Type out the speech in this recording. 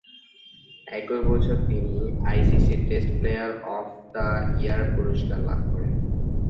একই বছর তিনি আইসিসির test player of the year পুরস্কার লাভ করেন।